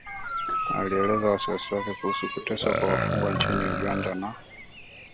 alielezea wasiwasi wake kuhusu kuteswa kwa wafungwa nchini Uganda na